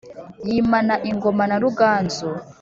Yimana ingoma na Ruganzu